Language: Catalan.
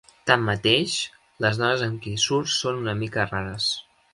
Tanmateix, les dones amb qui surt són una mica rares.